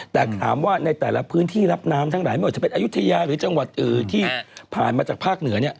แต่ถามว่าในแต่ละพื้นที่รับน้ำทั้งหลายไม่ว่าจะเป็นอายุทยาหรือจังหวัดที่ผ่านมาจากภาคเหนือ